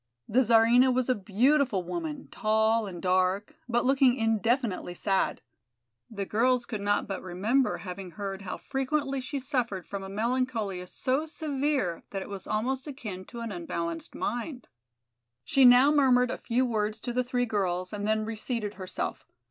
The Czarina was a beautiful woman, tall and dark, but looking infinitely sad. The girls could not but remember having heard how frequently she suffered from a melancholia so severe that it was almost akin to an unbalanced mind. She now murmured a few words to the three girls and then reseated herself.